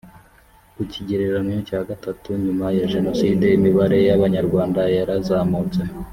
ku kigereranyo cya gatatu nyuma ya jenoside imibare y abanyarwanda yarazamutse